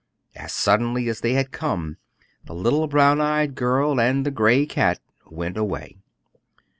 As suddenly as they had come, the little brown eyed girl and the gray cat went away.